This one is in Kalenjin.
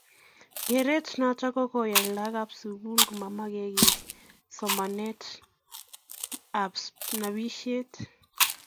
geret noto koyae lagookab sugul komamagen kiiy somanetab nabishet